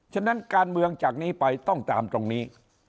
ฉะนั้นการเมืองจากนี้ไปต้องตามตรงนี้